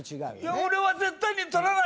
「俺は絶対に取らない」